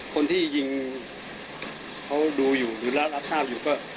คนที่ยิงเขาดูอยู่หรือรับทราบอยู่ก็